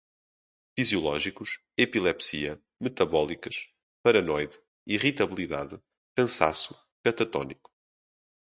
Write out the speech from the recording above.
fisiológicos, epilepsia, metabólicas, paranoide, irritabilidade, cansaço, catatônico